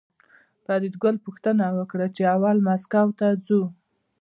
فریدګل پوښتنه وکړه چې اول مسکو ته ځو